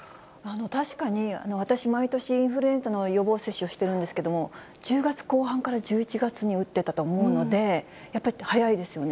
確かに私、毎年、インフルエンザの予防接種をしてるんですけれども、１０月後半から１１月に打っていたと思うので、やっぱり早いですよね。